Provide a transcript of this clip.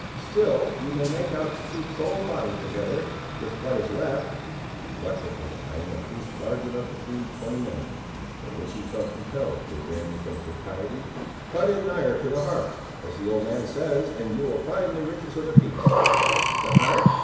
Still you may make out to keep soul and body together, with what is left," reluctantly eyeing a piece large enough to feed twenty men, but which he felt compelled to abandon from satiety; "cut in nigher to the heart, as the old man says, and you will find the riches of the piece." "The heart!"